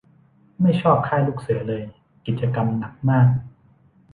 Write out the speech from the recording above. ไม่ชอบค่ายลูกเสือเลย กิจกรรมหนักมาก